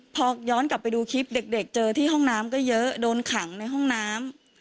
พอย้อนกลับไปดูคลิปเด็กเจอที่ห้องน้ำก็เยอะโดนขังในห้องน้ำ